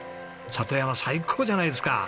里山最高じゃないですか！